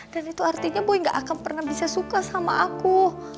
dan itu artinya boy nggak akan pernah bisa suka sama aku